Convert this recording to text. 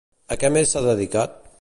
A què més s'ha dedicat?